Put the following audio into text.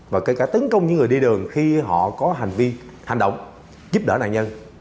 và kể cả tấn công những người đi đường khi họ có hành vi hành động giúp đỡ nạn nhân